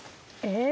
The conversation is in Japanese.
え！